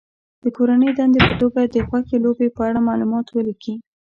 د کورنۍ دندې په توګه د خوښې لوبې په اړه معلومات ولیکي.